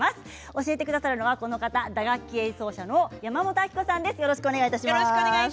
教えてくださるのは打楽器演奏者の山本晶子さんです。